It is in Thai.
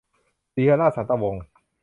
สีหราช สันตะวงศ์